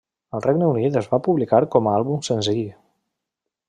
Al Regne Unit es va publicar com a àlbum senzill.